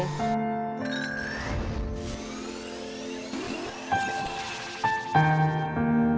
โปรดติดตามตอนต่อไป